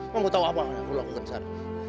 kamu tau apa yang aku lakukan sar